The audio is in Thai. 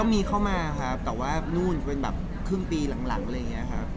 มีเข้ามาครับแต่ว่านู่นเป็นแบบครึ่งปีหลังอะไรอย่างนี้ครับ